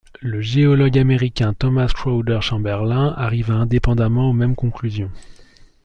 Le géologue américain Thomas Chrowder Chamberlin arrivera indépendamment aux mêmes conclusions.